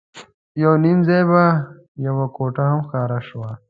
یو نیم ځای به یوه کوټه هم ښکاره شوه.